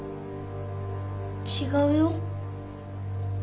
違うよ。